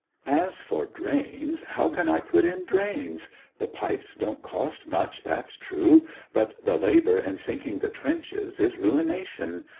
'As for drains how can I put in drains? The pipes don't cost much, that's true; but the labour in sinking the trenches is ruination.